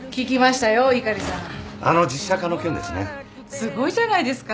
すごいじゃないですか。